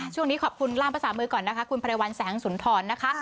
ช่วงนี้ขอบคุณล่ามภาษามือก่อนนะคะคุณไรวัลแสงสุนทรนะคะ